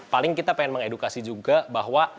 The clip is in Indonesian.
paling kita pengen mengedukasi juga bahwa